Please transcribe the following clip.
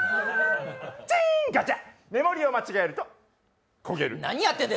目盛りを間違えると、焦げる。